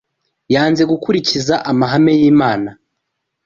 yanze gukurikiza amahame y’Imana